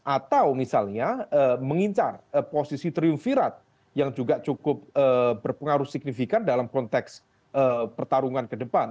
atau misalnya mengincar posisi triumfirat yang juga cukup berpengaruh signifikan dalam konteks pertarungan ke depan